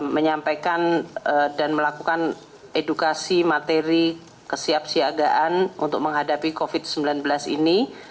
menyampaikan dan melakukan edukasi materi kesiapsiagaan untuk menghadapi covid sembilan belas ini